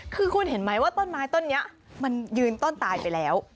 คือคุณเห็นไหมว่าต้นไม้ต้นนี้มันยืนต้นตายไปแล้ว